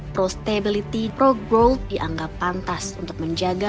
prostability pro growth dianggap pantas untuk menjaga